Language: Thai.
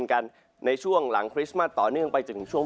เดี๋ยวผมไปดูวง